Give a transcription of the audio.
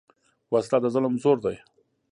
وسله د ظلم زور ده